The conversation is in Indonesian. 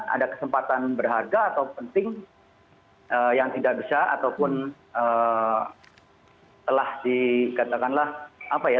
ada kesempatan berharga atau penting yang tidak bisa ataupun telah dikatakanlah apa ya